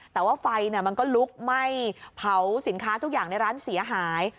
แต่ว่าไฟมันก็ลุกไหม้เผาสินค้าทุกอย่างในร้านเสียหาย